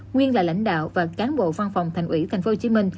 nguyên là lãnh đạo và cán bộ văn phòng thành ủy tp hcm